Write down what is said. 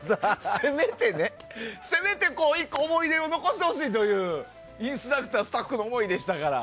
せめてね、せめて１個思い出を残してほしいというインストラクタースタッフの思いでしたから。